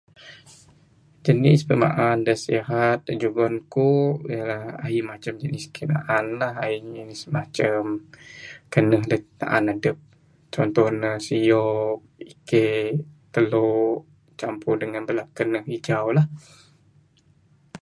Jenis pimaan sihat da jugon ku ahi macam jenis kayuh naan lah ain. Jenis macam kaneh da naan adep. Contoh ne siok, ike, telo campur dangan bala kaneh hijau lah.